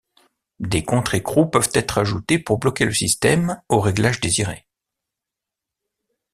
Des contre-écrous peuvent être ajoutés pour bloquer le système au réglage désiré.